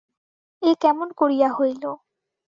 এ কেমন করিয়া হইল।